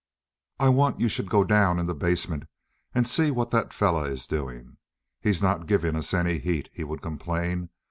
"I want you should go down in the basement and see what that feller is doing. He's not giving us any heat," he would complain.